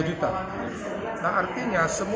kadang kadang output lokasinya kuncinya bisa olur